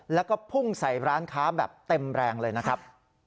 แล้วก็พุ่งใส่ร้านค้าแบบเต็มแรงเลยนะครับ